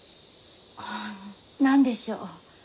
あ何でしょう？